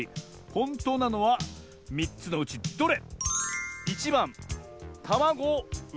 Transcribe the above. ほんとうなのは３つのうちどれ？